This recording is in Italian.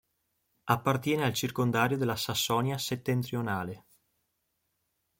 Appartiene al circondario della Sassonia Settentrionale.